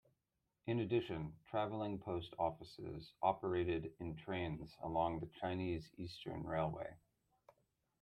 In addition, Travelling Post Offices operated in trains along the Chinese Eastern Railway.